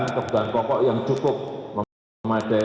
dan kebutuhan pokok yang cukup memadai